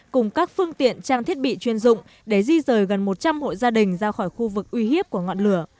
cùng các phương tiện trang thiết bị chuyên dụng để di rời gần một trăm linh hộ gia đình ra khỏi khu vực uy hiếp của ngọn lửa